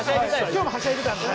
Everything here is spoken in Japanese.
今日もはしゃいでたんで。